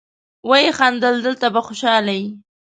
ويې خندل: دلته به خوشاله يې.